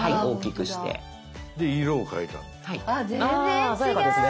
あ鮮やかですね。